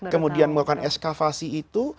kemudian melakukan eskavasi itu